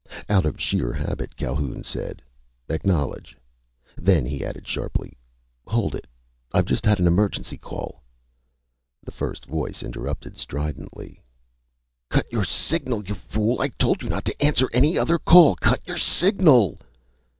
Out of sheer habit, Calhoun said, "Acknowledge." Then he added sharply: "Hold it! I've just had an emergency call " The first voice interrupted stridently: "_Cut your signal, you fool! I told you not to answer any other call! Cut your signal!